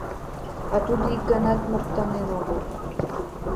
— А тудо ик ганат моктанен огыл.